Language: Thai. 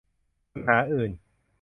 ปัญหาอื่น